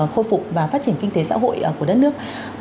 khôi phục và phát triển kinh tế xã hội của đất nước